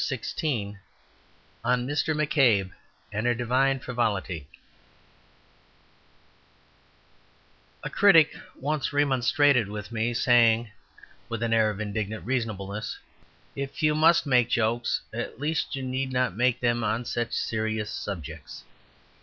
XVI On Mr. McCabe and a Divine Frivolity A critic once remonstrated with me saying, with an air of indignant reasonableness, "If you must make jokes, at least you need not make them on such serious subjects."